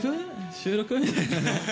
収録？みたいな。